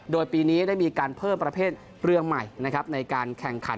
โดยปีนี้ได้มีการเพิ่มประเภทเรืองใหม่ในการแข่งขัน